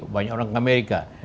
banyak orang ke amerika